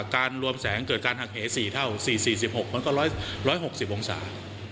การรวมแสงเกิดการหักเห๔เท่า๔๔๖มันก็๑๖๐องศา